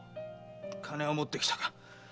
金は持ってきたか？